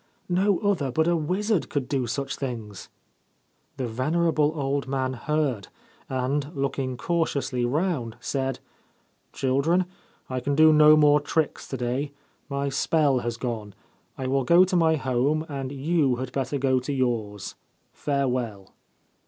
No other but a wizard could do such things !' The venerable old man heard, and, looking cautiously round, said :* Children, I can do no more tricks to day. My spell has gone. I will go to my home, and you had better go to yours. Farewell.'